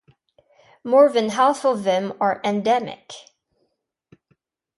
More than half of them are endemic.